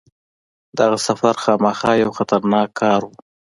دغه سفر خامخا یو خطرناک کار وو.